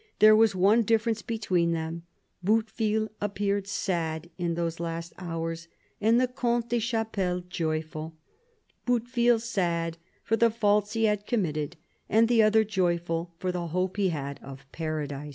... There was one difference between them : Bouteville appeared sad in those last hours, and the Comte des Chapelles joyful ; Bouteville sad for the faults he had committed, and the other joyful for the hope he had of Paradise."